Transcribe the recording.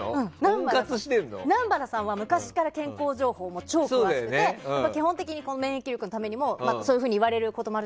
南原さんは昔から健康情報も超詳しくて基本的に免疫力のためにもそういうふうに言われることもそっか！